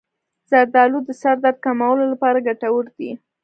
زردآلو د سر درد کمولو لپاره ګټور دي.